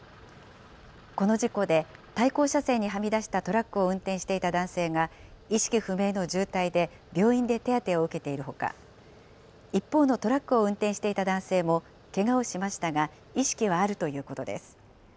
この事故で、対向車線にはみ出したトラックを運転していた男性が意識不明の重体で病院で手当てを受けているほか、一方のトラックを運転していた男性もけがをしましたが、意識はあるということです。